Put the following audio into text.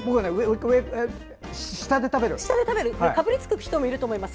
かぶりつく人もいると思います。